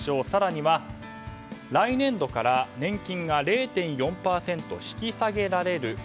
更には来年度から年金が０．４％引き下げられる。